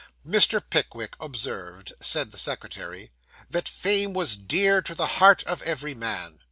'Mr. Pickwick observed (says the secretary) that fame was dear to the heart of every man.